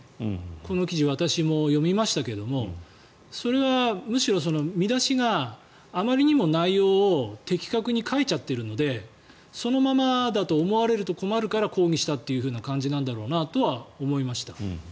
この記事、私も読みましたけどもそれはむしろ見出しがあまりにも内容を的確に書いちゃっているのでそのままだと思われると困るから抗議したという感じなんだろうなとは思いました。